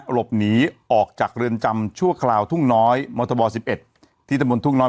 หลบหนีออกจากเรือนจำชั่วคราวทุ่งน้อยมธบ๑๑ที่ตะบนทุ่งน้อย